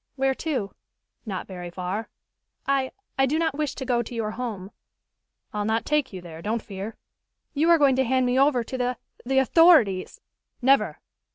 "Where to?" "Not very far." "I I do not wish to go to your home." "I'll not take you there, don't fear." "You are going to hand me over to the the authorities." "Never!